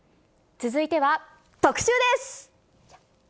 続いては特集です。